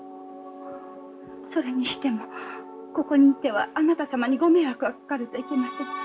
それにしてもここにいてはあなた様にご迷惑がかかるといけません。